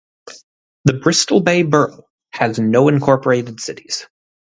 The Bristol Bay Borough has no incorporated cities.